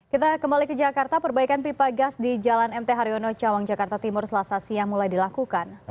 kita kembali ke jakarta perbaikan pipa gas di jalan mt haryono cawang jakarta timur selasa siang mulai dilakukan